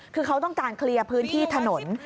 คือเขาต้องการเคลียร์พื้นที่ถนน